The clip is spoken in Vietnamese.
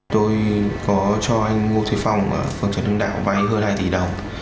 tôi có cho anh ngô thế phong ở phòng trận đường đảo vay hơn hai tỷ đồng